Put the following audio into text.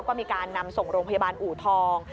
ก็มีการนำส่งโรงพยาบาลอูทอง